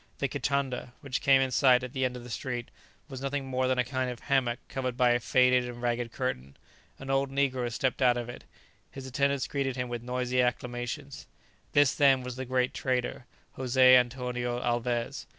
The kitanda, which came in sight at the end of the street, was nothing more than a kind of hammock covered by a faded and ragged curtain. An old negro stepped out of it. His attendants greeted him with noisy acclamations. This, then, was the great trader, José Antonio Alvez.